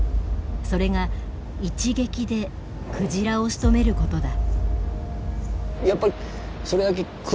それが一撃で鯨をしとめることだ。